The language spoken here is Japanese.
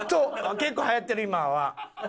結構流行ってる今は。